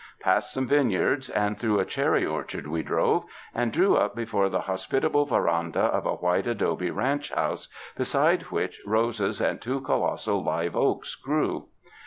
Past some vineyards and through a cherry orchard we drove, and drew up before the hospitable veranda of a white adobe ranch house, beside which roses and two colossal live oaks grew.